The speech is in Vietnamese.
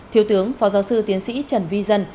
thiếu tướng phó giáo sư tiến sĩ trần vi dân